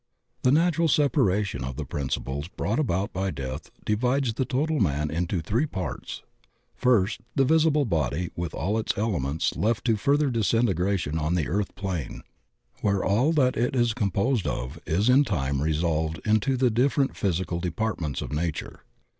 The natural separation of the principles brought about by death divides the total man into three parts: First, the visible body with all its elements left to further disintegration on the earth plane, where all that it is composed of is in time resolved into the dif ferent physicd departments of nature.